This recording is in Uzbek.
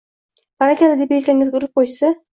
barakalla deb yelkangizga urib qo‘yishsa